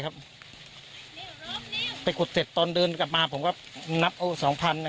ไปขุดเสร็จตอนเดินกลับมาผมก็นับเอาสองพัน